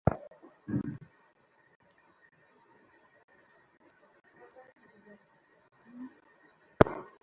তিনি ও দলের সকলের কাছে সু-সম্পর্ক বজায় রাখেন।